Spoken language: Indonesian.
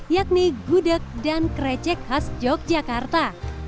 yakni gudeg dan krecek khas yogyakarta